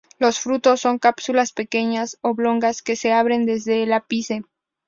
Los frutos son cápsulas pequeñas oblongas que se abren desde el ápice.